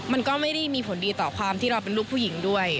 มันก็ไม่ได้มีผลดีต่อความที่เราเป็นลูกผู้หญิงด้วย